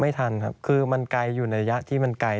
ไม่ทันครับคือมันไกลอยู่ในระยะที่มันไกล